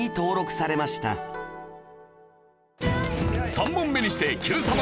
３問目にしてＱさま！！